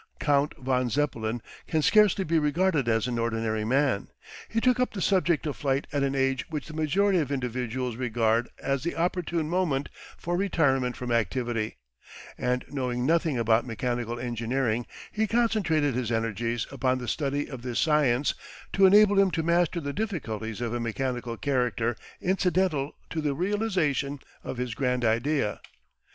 Count von Zeppelin can scarcely be regarded as an ordinary man. He took up the subject of flight at an age which the majority of individuals regard as the opportune moment for retirement from activity, and, knowing nothing about mechanical engineering, he concentrated his energies upon the study of this science to enable him to master the difficulties of a mechanical character incidental to the realisation of his grand idea.